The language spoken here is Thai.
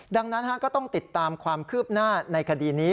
ดังนั้นก็ต้องติดตามความคืบหน้าในคดีนี้